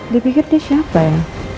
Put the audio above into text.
dipikir di siapa ya